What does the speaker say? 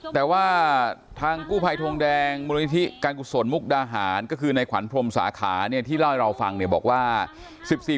แต่ว่าทางกลายทงแด่นบริธีการกลุศลมกราฮารก็คือในขวัญภพมศาขานี่ที่เล่าให้เราฟังเรียกบอกว่า๑๔พฤษภาคม